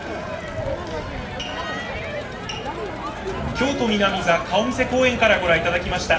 京都南座顔見世公演からご覧いただきました。